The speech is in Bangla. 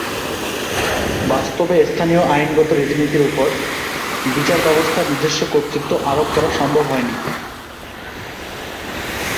বাস্তবে স্থানীয় আইনগত রীতিনীতির ওপর বিচারব্যবস্থার নিজস্ব কর্তৃত্ব আরোপ করা সম্ভব হয় নি।